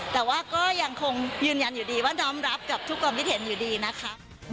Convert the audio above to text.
แต่ว่าก็ยังคงยืนยันอยู่ดีว่าน้อมรับกับทุกความคิดเห็นอยู่ดีนะคะ